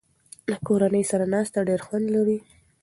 د کورنۍ سره ناسته ډېر خوند لري.